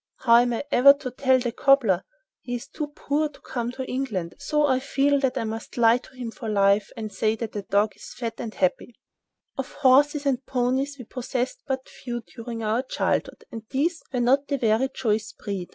How am I ever to tell the cobbler? He is too poor to come to England, so I feel that I must lie to him for life, and say that the dog is fat and happy." [Picture: Mrs. Bouncer] Of horses and ponies we possessed but few during our childhood, and these were not of very choice breed.